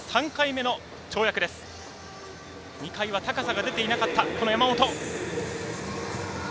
２回目は高さが出てなかった山本。